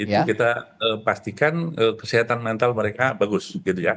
itu kita pastikan kesehatan mental mereka bagus